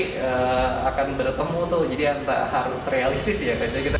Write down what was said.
nanti akan bertemu tuh jadi harus realistis ya